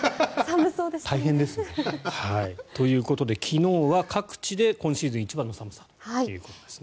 大変ですね。ということで昨日は各地で今シーズン一番の寒さということですね。